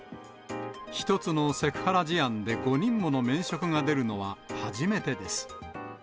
１つのセクハラ事案で５人もの免職が出るのは初めてです。